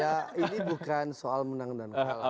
ya ini bukan soal menang dan kalah